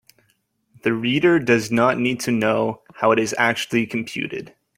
The reader does not need to know how it is actually computed.